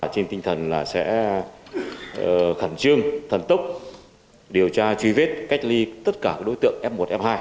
trên tinh thần là sẽ khẩn trương thần tốc điều tra truy vết cách ly tất cả đối tượng f một f hai